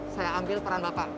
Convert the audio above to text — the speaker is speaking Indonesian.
saya ambil peran bapak